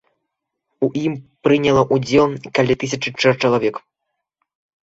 У ім прыняло удзел каля тысячы чалавек.